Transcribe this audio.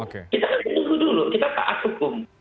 kita kan menunggu dulu kita taat hukum